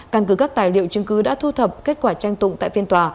căn cứ các tài liệu chứng cứ đã thu thập kết quả tranh tụng tại phiên tòa